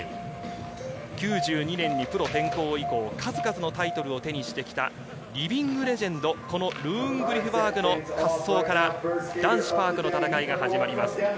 ９２年にプロ転向以降、数々のタイトルを手にしてきた、リビングレジェンド、ルーン・グリフバーグの滑走から男子パークの戦いが始まります。